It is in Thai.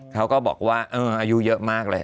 เขาก็บอกว่าอายุเยอะมากเลย